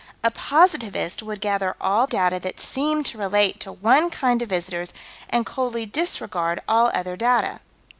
A positivist would gather all data that seem to relate to one kind of visitors and coldly disregard all other data.